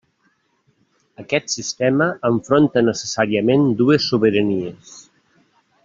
Aquest sistema enfronta necessàriament dues sobiranies.